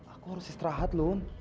aku harus istirahat lun